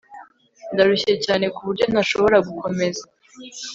Ndarushye cyane kuburyo ntashobora gukomeza